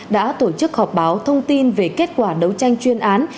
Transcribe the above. đã tổ chức họp báo thông tin về kết quả đấu tranh chuyên án